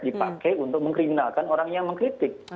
dipakai untuk mengkriminalkan orang yang mengkritik